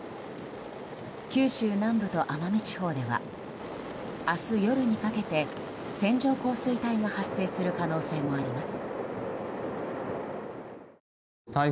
九州南部と奄美地方では明日夜にかけて線状降水帯が発生する可能性もあります。